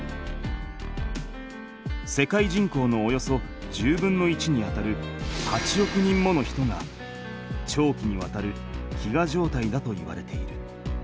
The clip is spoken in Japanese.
世界人口のおよそ１０分の１にあたる８億人もの人が長期にわたる飢餓状態だといわれている。